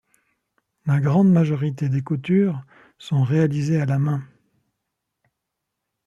La grande majorité des coutures sont réalisées à la main.